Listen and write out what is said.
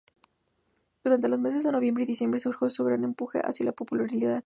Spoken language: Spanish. Durante los meses de Noviembre y Diciembre surgió su gran empuje hacia la popularidad.